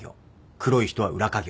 黒い人は裏稼業。